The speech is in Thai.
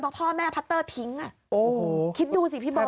เพราะพ่อแม่พัตเตอร์ทิ้งอ่ะโอ้โหคิดดูสิพี่เบิ้ล